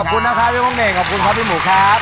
ขอบคุณนะครับพี่ป้องเน่งขอบคุณครับพี่หมูครับ